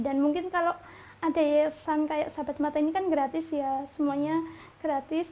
dan mungkin kalau ada yayasan seperti sahabat mata ini kan gratis ya semuanya gratis